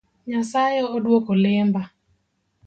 Nyasaye oduoko lemba